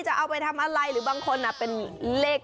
จะเอาไปทำอะไรหรือบางคนเป็นเลข๗